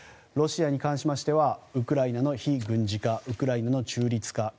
ロシアに関しましてはウクライナの非軍事化ウクライナの中立化